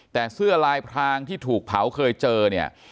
แต่เสื้อลายพรางที่ถูกเผาเคยเจอเนี่ย